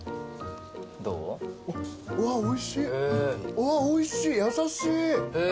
うわっおいしい優しい。